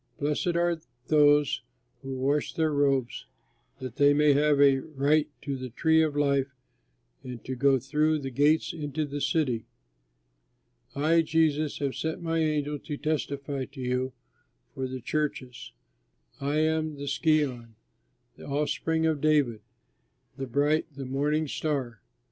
Blessed are those who wash their robes, that they may have a right to the tree of life and to go through the gates into the city. "I, Jesus, have sent my angel to testify to you for the churches. I am the Scion and Offspring of David, the bright, the Morning Star.